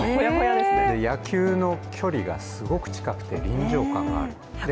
野球の距離がすごく近くで臨場感がある。